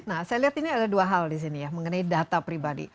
nah saya lihat ini ada dua hal di sini ya mengenai data pribadi